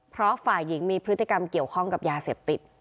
เพราะฝ่ายหญิงมีพฤติกรรมเกี่ยวข้องกับยาเสพติด